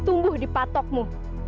tumbuh di patokmu